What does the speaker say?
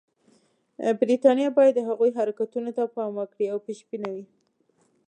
برټانیه باید د هغوی حرکتونو ته پام وکړي او پېشبینه وي.